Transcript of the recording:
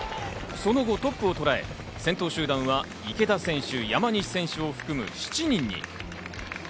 その後トップをとらえ、先頭集団は池田選手、山西選手を含む７人に。